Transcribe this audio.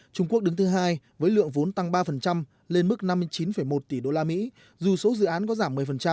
trung quốc đứng thứ hai với lượng vốn tăng ba lên mức năm mươi chín một tỷ usd dù số dự án có giảm một mươi